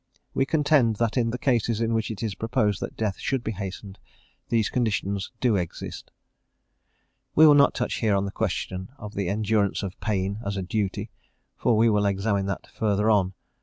We contend that in the cases in which it is proposed that death should be hastened, these conditions do exist. We will not touch here on the question of the endurance of pain as a duty, for we will examine that further on.